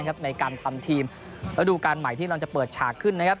ในการทำทีมระดูการใหม่ที่เราจะเปิดฉากขึ้นนะครับ